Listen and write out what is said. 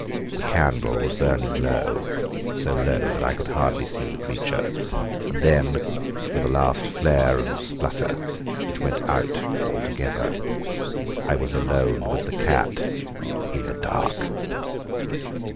The candle was burning low so low that I could hardly see the creature. And then, with a last flare and splutter it went out altogether. I was alone with the cat in the dark!